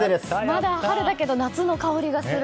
まだ春だけど夏の香りがする。